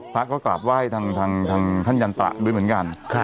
พระก็กราบว่ายทางท่านยันตราเดี๋ยวเหมือนกัน